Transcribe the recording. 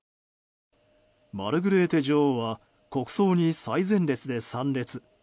マルグレーテ女王は国葬に最前列で参列。